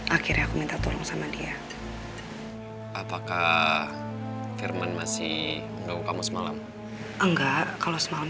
akhirnya aku minta tolong sama dia apakah firman masih menunggu kamu semalam enggak kalau semalam